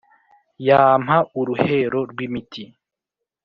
Yampa uruhero rw’ imiti;